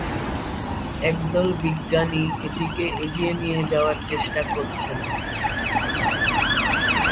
একদল বিজ্ঞানী এটিকে এগিয়ে নিয়ে যাওয়ার চেষ্টা করছেন।